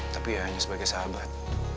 tapi ya hanya sebagai sahabat